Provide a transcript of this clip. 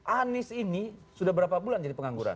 anies ini sudah berapa bulan jadi pengangguran